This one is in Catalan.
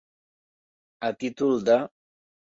A títol de.